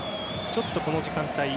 ちょっとこの時間帯